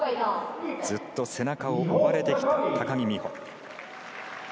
ずっと背中を追われてきた高木美帆。